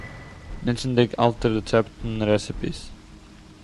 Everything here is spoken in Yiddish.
ניצנדיג אַלטע רעצעפּטן, רעסיפּיס